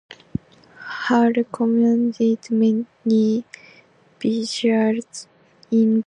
Hall commanded many vessels involved in exploration and scientific and diplomatic missions.